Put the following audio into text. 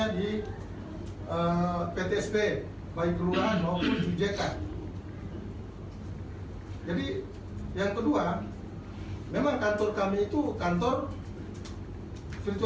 di jum'ah kaputi